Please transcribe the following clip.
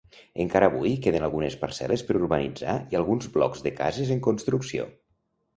Encara avui queden algunes parcel·les per urbanitzar i alguns blocs de cases en construcció.